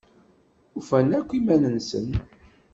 Ufan akk iman-nsen.